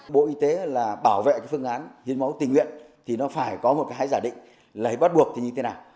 bộ y tế là bảo vệ cái phương án hiến máu tình nguyện thì nó phải có một cái giả định là hiến máu bắt buộc thì như thế nào